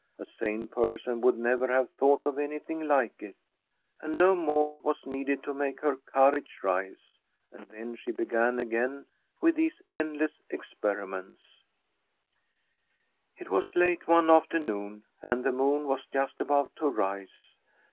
A sane person would never have thought of anything like it. And no more was needed to make her courage rise, and then she began again with these endless experiments. It was late one afternoon, and the moon was just about to rise.